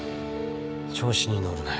調子に乗るなよ